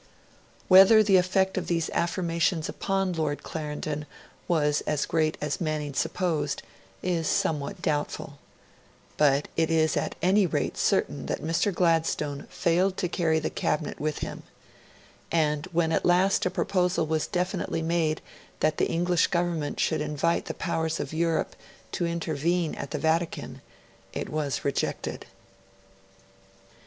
Whether the effect of these affirmations upon Lord Clarendon was as great as Manning supposed is somewhat doubtful; but it is at any rate certain that Mr. Gladstone failed to carry the Cabinet with him; and, when at last a proposal was definitely made that the English Government should invite the Powers of Europe to intervene at the Vatican, it was rejected.